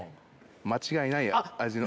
間違いない味の。